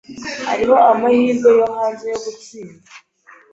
Hariho amahirwe yo hanze yo gutsinda.